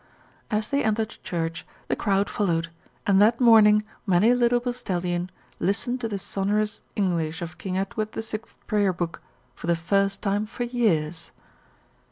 As they entered the church, the crowd followed, and that morning many a little Bilsteadian listened to the sonorous English of King Edward the Sixth's Prayer Book for the first time for years.